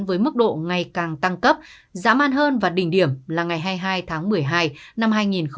với mức độ ngày càng tăng cấp dã man hơn và đỉnh điểm là ngày hai mươi hai tháng một mươi hai năm hai nghìn hai mươi